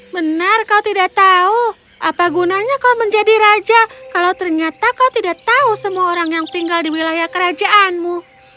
benar kau tidak tahu apa gunanya kau menjadi raja kalau ternyata kau tidak tahu semua orang yang tinggal di wilayah kerajaanmu